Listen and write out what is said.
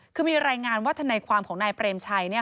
คือมีรายงานว่าทนายความของนายเปรมชัย